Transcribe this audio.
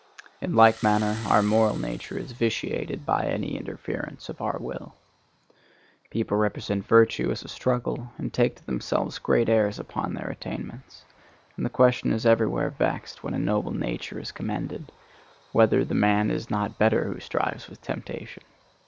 In like manner our moral nature is vitiated by any interference of our will. People represent virtue as a struggle, and take to themselves great airs upon their attainments, and the question is everywhere vexed when a noble nature is commended, whether the man is not better who strives with temptation.